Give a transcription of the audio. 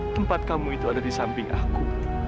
tempat kamu itu ada di samping aku